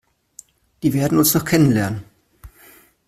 Die werden uns noch kennenlernen!